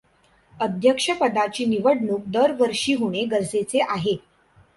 अध्यक्षपदाची निवडणूक दरवर्षी होणे गरजेचे आहे.